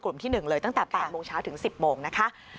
ที่๑เลยตั้งแต่๘โมงเช้าถึง๑๐โมงนะคะ